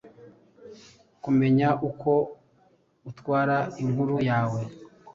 Kumenya uko utwara inkuru yawe.